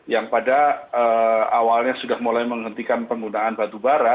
yang pada awalnya sudah mulai menghentikan penggunaan batu bara